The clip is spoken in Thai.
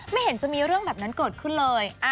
ไม่เห็นจะมีเรื่องแบบนั้นเกิดขึ้นเลย